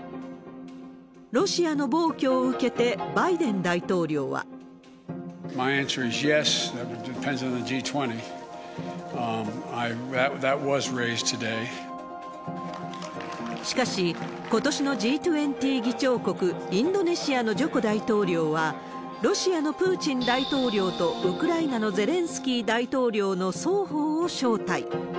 ロシアの暴挙を受けて、バイデン大統領は。しかし、ことしのＧ２０議長国、インドネシアのジョコ大統領は、ロシアのプーチン大統領とウクライナのゼレンスキー大統領の双方を招待。